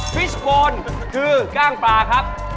ฟิสโคนคือกล้างปลาครับ